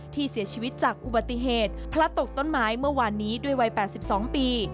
ที่เสียชีวิตจากอุบัติเหตุพระตกต้นไม้เมื่อวานนี้ด้วยวัย๘๒ปี